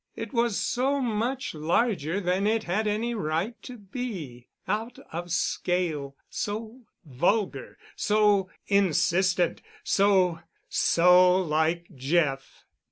It was so much larger than it had any right to be, out of scale, so vulgar, so insistent, so—so like Jeff.